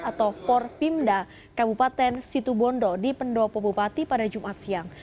atau porpimda kabupaten situ bondo di pendopo bupati pada jumat siang